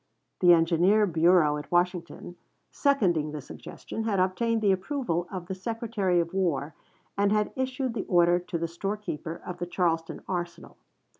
The engineer bureau at Washington, seconding the suggestion, had obtained the approval of the Secretary of War, and had issued the order to the storekeeper of the Charleston arsenal.